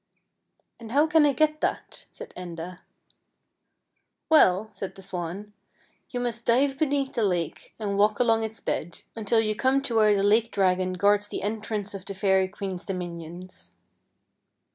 " And how can I get that? " said Enda. " Well," said the swan, " you must dive be neath the lake, and walk along its bed, until you come to where the lake dragon guards the en trance of the fairy queen's dominions."